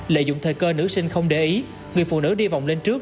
lợi dụng thời cơ nữ sinh không để ý người phụ nữ đi vòng lên trước